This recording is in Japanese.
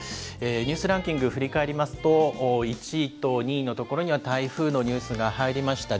ニュースランキング、振り返りますと、１位と２位のところには、台風のニュースが入りました。